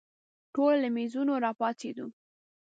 ټوله له مېزونو راپاڅېدو.